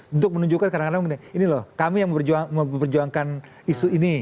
untuk menunjukkan kadang kadang begini ini loh kami yang memperjuangkan isu ini